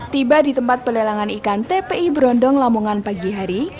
tiba di tempat pelelangan ikan tpi berondong lamongan pagi hari